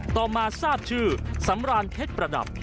ต่อมาทราบชื่อสำรานเพชรประดับ